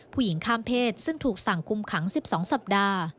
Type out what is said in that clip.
ข้ามเพศซึ่งถูกสั่งคุมขัง๑๒สัปดาห์